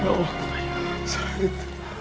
ya allah syahid